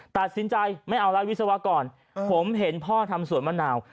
ตัดสินใจไม่เอาละวิศวกรผมเห็นพ่อทำสวนมะนาว